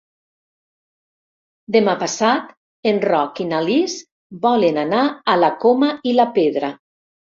Demà passat en Roc i na Lis volen anar a la Coma i la Pedra.